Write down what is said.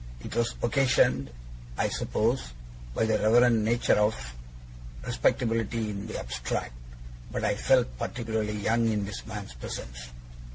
It was occasioned, I suppose, by the reverend nature of respectability in the abstract, but I felt particularly young in this man's presence.